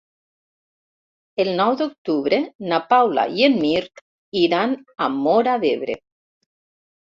El nou d'octubre na Paula i en Mirt iran a Móra d'Ebre.